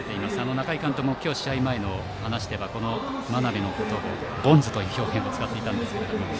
中井監督も今日の試合前の話では真鍋のことを指してボンズという表現を使っていました。